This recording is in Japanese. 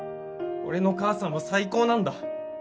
俺の母さんは最高なんだ。